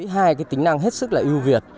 hai cái tính năng hết sức là ưu việt